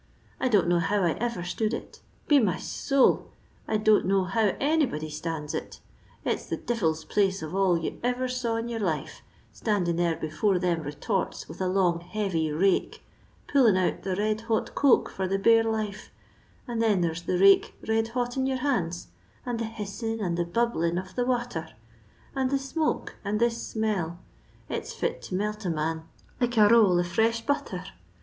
I don't know bow I ever stood it. Be me soul, I don't know how anybody stands it; it's the difil's place of all you erer saw in your life, standing there before diem retorts with a long heavy rake, poUin out the red hot coke for the bare life, and then there's the rake red hot in your hands, and the hissin and the bubblin of the wather, and the sm<^e and the smell — it's fit to melt a man like a rowl of fresh butther.